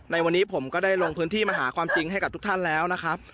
ในวันนี้ผมก็ได้ลงพื้นที่มาหาความจริงให้กับทุกท่านแล้วนะครับ